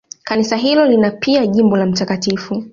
Kanisa hilo lina pia jimbo la Mt.